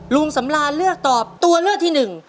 ลุงสำรานเลือกตอบตัวเลือกที่หนึ่ง